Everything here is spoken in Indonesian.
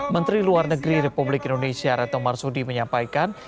menteri luar negeri republik indonesia retno marsudi menyampaikan